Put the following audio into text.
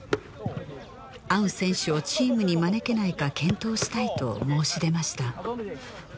アウン選手をチームに招けないか検討したいと申し出ました